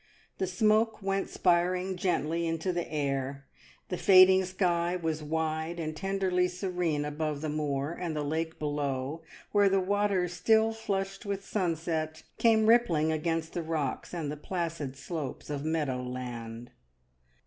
The smoke went spiring gently into the air, the fading sky was wide and tenderly serene above the moor and the lake below, where the waters, still flushed with sunset, came rippling against the rocks and the placid slopes of meadow land.